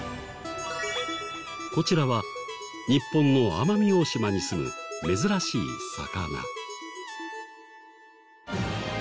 こちらは日本の奄美大島にすむ珍しい魚。